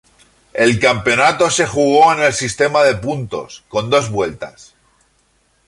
El campeonato se jugó en el sistema de puntos, con dos vueltas.